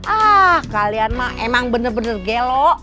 ah kalian mak emang bener bener gelo